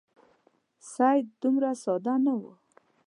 سید دومره ساده نه وو.